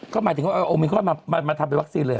ก็หมายถึงโอมิครอนมาทำไว้วัคซีนเลย